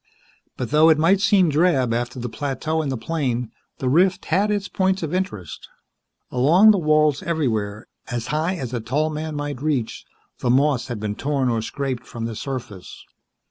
But though it might seem drab after the plateau and the plain, the rift had its points of interest. Along the walls, everywhere, as high as a tall man might reach, the moss had been torn or scraped from the surface.